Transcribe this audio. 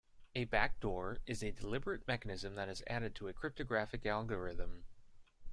A backdoor is a deliberate mechanism that is added to a cryptographic algorithm.